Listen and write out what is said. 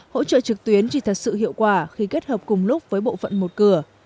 hỗ trợ trực tuyến chỉ thật sự hiệu quả khi kết hợp cùng lúc với bộ phận một cửa